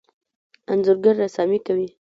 انځورګر رسامي کوي.